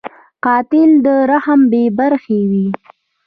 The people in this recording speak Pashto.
قاتل له رحم بېبرخې وي